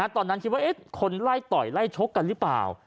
ตอนนั้นคิดว่าคนไล่ต่อยไล่ชกกันหรือเปล่า